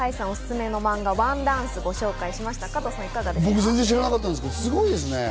僕、全然知らなかったんですけれども、すごいですね。